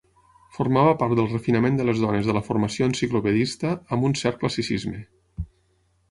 Formava part del refinament de les dones de la formació enciclopedista amb un cert classicisme.